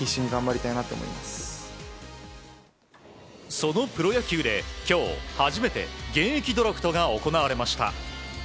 そのプロ野球で今日、初めて現役ドラフトが行われました。